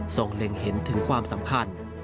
เล็งเห็นถึงความสำคัญ